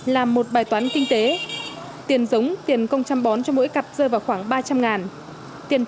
làm một bài toán kinh tế tiền giống tiền công chăm bón cho mỗi cặp rơi vào khu vực này là một bài toán kinh tế